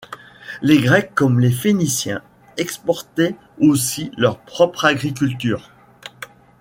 Les Grecs comme les Phéniciens exportaient aussi leur propre agriculture.